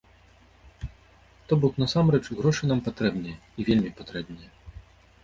То бок, насамрэч, грошы нам патрэбныя, і вельмі патрэбныя.